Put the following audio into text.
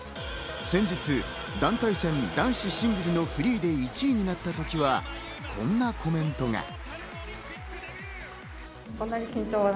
先日、団体戦男子シングルのフリーで１位となったときはこんなコメントが。